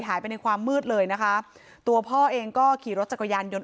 ในความมืดเลยนะคะตัวพ่อเองก็ขี่รถจักรยานยนต